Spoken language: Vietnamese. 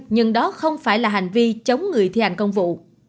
nhưng đó không phải là hành vi chống người thi hành công vụ